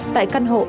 tại căn hộ ở sài gòn